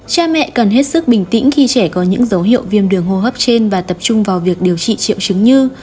cha mẹ cần hết sức bình tĩnh khi trẻ có những dấu hiệu viêm đường hô hấp trên và tập trung vào việc điều trị triệu chứng như